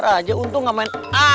udah marah aja untung gak main